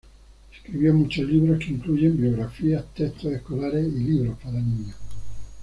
Escribió muchos libros que incluyen biografías, textos escolares y libros para niños.